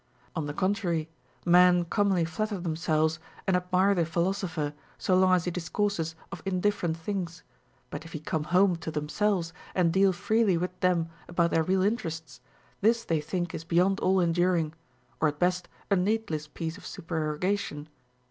On the contrary, men commonly flatter themselves, and admire the philosopher so long as he discourses of indifferent things ; but if he 454 OF HEARING. come home to themselves and deal freely with them about thek real interests, this they think is beyond all enduring, or at best a needless piece of supererogation.